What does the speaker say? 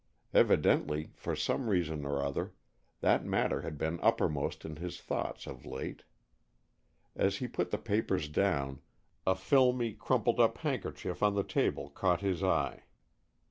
Evidently, for some reason or other, that matter had been uppermost in his thoughts of late. As he put the papers down, a filmy, crumpled up handkerchief on the table caught his eye.